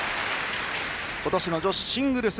今年の女子シングルス